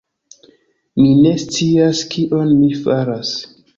Mi ne scias kion mi faras.